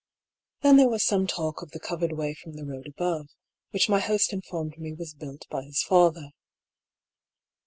Then there was some talk of the covered way from the road above, which my host informed me was built by his father.